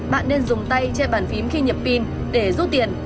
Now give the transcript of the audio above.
bạn nên dùng tay che bàn phím khi nhập pin để rút tiền